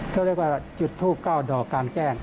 เท่าเรียกว่าจุดทูกเก้าดอกกลางแจ้ง